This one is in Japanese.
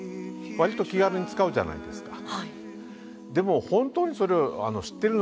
割と気軽に使うじゃないですか。